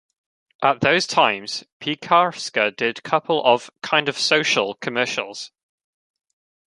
At those times, Piekarska did couple of "kind-of social commercials".